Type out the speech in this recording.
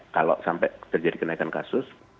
kalau sampai terjadi kenaikan kasus